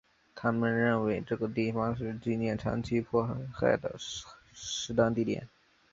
他们认为这个地方是纪念长期迫害的适当地点。